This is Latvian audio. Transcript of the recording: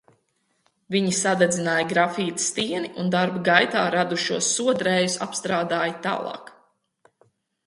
Viņi sadedzināja grafīta stieni un darba gaitā radušos sodrējus apstrādāja tālāk.